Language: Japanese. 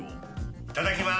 いただきます。